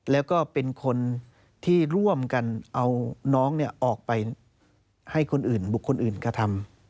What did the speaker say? แล้วก็เป็นคนที่ร่วมกันเอาน้องออกไปให้คนอื่นบุคคลอื่นกระทำ